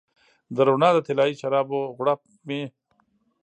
د روڼا د طلایې شرابو غوړپ مې